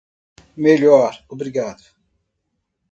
Melhor obrigado.